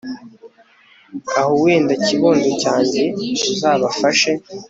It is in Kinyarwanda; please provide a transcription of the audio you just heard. aho wenda kibondo cyange uzabafashe